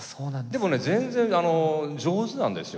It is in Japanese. でもね全然上手なんですよ。